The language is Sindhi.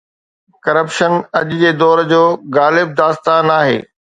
ڪرپشن اڄ جي دور جو غالب داستان آهي.